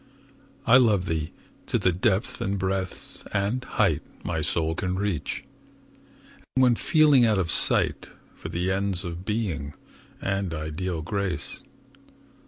I love thee to the depth and breadth and height My soul can reach, when feeling out of sight For the ends of Being and ideal Grace.